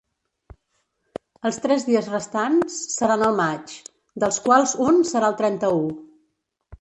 Els tres dies restants seran al maig, dels quals un serà el trenta-u.